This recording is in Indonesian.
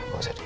gak usah deh